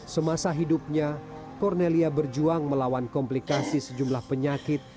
semasa hidupnya cornelia berjuang melawan komplikasi sejumlah penyakit